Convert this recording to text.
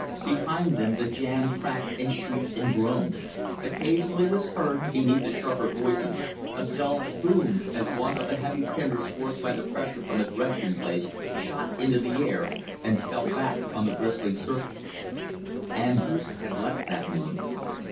Behind them the jam cracked and shrieked and groaned. Occasionally was heard, beneath the sharper noises, a dull BOOM, as one of the heavy timbers forced by the pressure from its resting place, shot into the air, and fell back on the bristling surface. Andrews had left that morning.